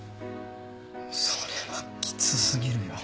それはきつ過ぎるよ。